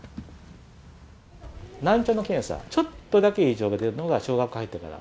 難聴の検査、ちょっとだけ異常が出るのが小学校に入ってから。